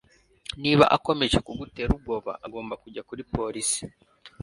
niba akomeje kugutera ubwoba, ugomba kujya kuri polisi